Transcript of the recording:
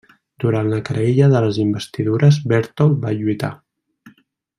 Durant la Querella de les Investidures, Bertold va lluitar.